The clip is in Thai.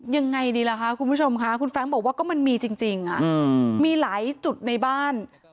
ยังไงดีล่ะคะคุณผู้ชมค่ะคุณแฟรงค์บอกว่าก็มันมีจริงมีหลายจุดในบ้าน